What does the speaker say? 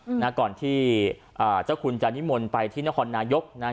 อืมนะก่อนที่อ่าเจ้าคุณจานิมนต์ไปที่นครนายกนะฮะ